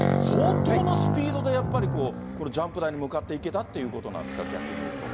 相当のスピードでやっぱりこれ、ジャンプ台に向かっていけたということなんですか？